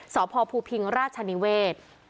สพภูพิงราชนิเวศ